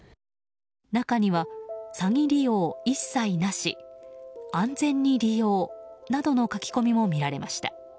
中には、詐欺利用一切なし安全に利用などの書き込みも見られました。